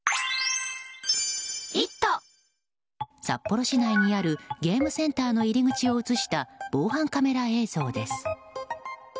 札幌市内にあるゲームセンターの入り口を映した防犯カメラ映像です。